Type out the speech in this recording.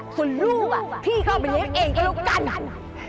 ส่วนลูกพี่เข้าไปเย็นเองก็แล้วกัน